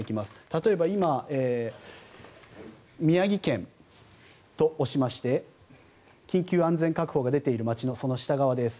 例えば今、宮城県と押しまして緊急安全確保が出ている町のその下側です。